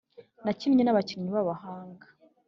nakinnye na bakinyi babahanga